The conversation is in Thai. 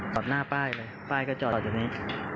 ตัดหน้าป้ายเลยป้ายก็จอดอยู่นี้